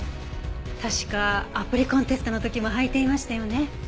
確かアプリコンテストの時も履いていましたよね。